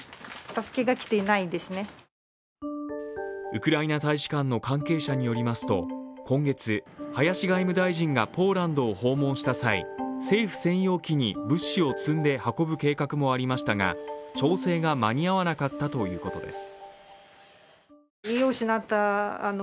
ウクライナ大使館の関係者によりますと今月、林外務大臣がポーランドを訪問した際、政府専用機に物資を積んで運ぶ計画もありましたが、調整が間に合わなかったということです。